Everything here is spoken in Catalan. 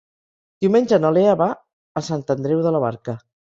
Diumenge na Lea va a Sant Andreu de la Barca.